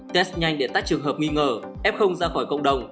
test nhanh để tách trường hợp nghi ngờ ép không ra khỏi cộng đồng